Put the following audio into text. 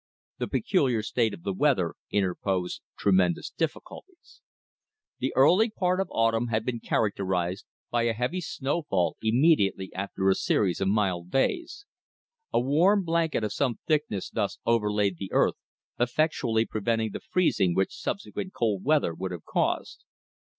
The peculiar state of the weather interposed tremendous difficulties. The early part of autumn had been characterized by a heavy snow fall immediately after a series of mild days. A warm blanket of some thickness thus overlaid the earth, effectually preventing the freezing which subsequent cold weather would have caused.